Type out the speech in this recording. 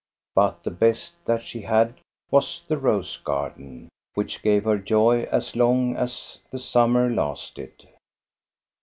But the best that she had was the rose garden, which gave her joy as long as the summer lasted.